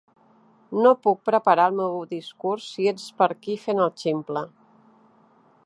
No puc preparar el meu discurs si ets per aquí fent el ximple.